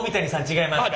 違います。